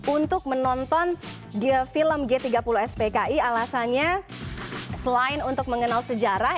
untuk menonton film g tiga puluh spki alasannya selain untuk mengenal sejarah